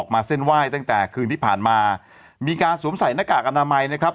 มาเส้นไหว้ตั้งแต่คืนที่ผ่านมามีการสวมใส่หน้ากากอนามัยนะครับ